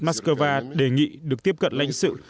moscow đề nghị được tiếp cận lãnh sự